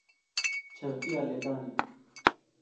Çewtiya lêdanê!